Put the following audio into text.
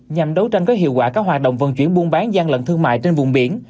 nhằm đấu tranh có hiệu quả các hoạt động vận chuyển buôn bán gian lận thương mại trên vùng biển